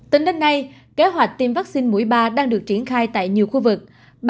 tính đến nay kế hoạch tiêm vắc xin mũi ba đang được triển khai tại nhiều khu vực